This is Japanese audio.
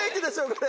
これ。